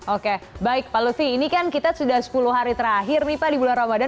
oke baik pak lutfi ini kan kita sudah sepuluh hari terakhir nih pak di bulan ramadan